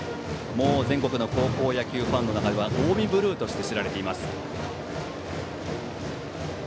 全国の高校野球ファンの中では近江ブルーとして知られています。